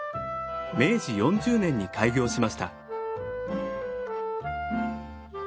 明治４０年に開業しました。